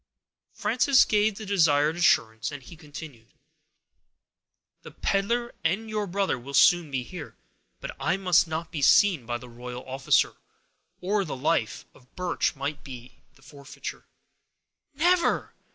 Frances gave the desired assurance, and he continued,— "The peddler and your brother will soon be here, but I must not be seen by the royal officer, or the life of Birch might be the forfeiture." "Never!"